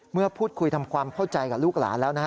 เมื่อพูดคุยทำความเข้าใจกับลูกหลานแล้วนะฮะ